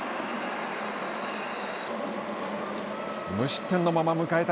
無失点のまま迎えた